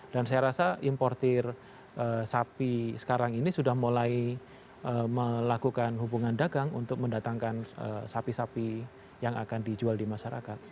dan saya rasa importer sapi sekarang ini sudah mulai melakukan hubungan dagang untuk mendatangkan sapi sapi yang akan dijual di masyarakat